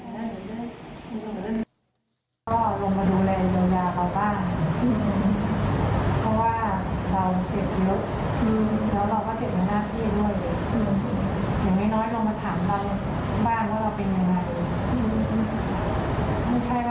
เพราะว่าเราเจ็บเยอะแล้วเราร็เจ็บแมงหน้าที่ด้วย